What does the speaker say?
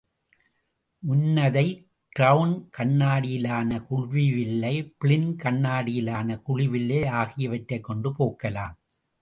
முன்னதைக் crown கண்ணாடியிலான குவிவில்லை, பிளிண்ட கண்ணாடியிலான குழிவில்லை ஆகியவற்றைக் கொண்டு போக்கலாம்.